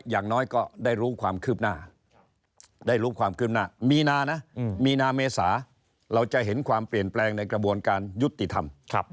อย่างน้อยก็ได้รู้ความคืบหน้ามีนาเมษาเราจะเห็นความเปลี่ยนแปลงในกระบวนการยุติธรรม